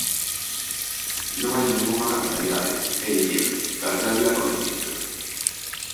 Non hai ningunha capitalidade, é dicir, calquera vila con rexistro.